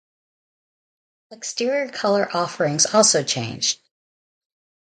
Exterior color offerings also changed.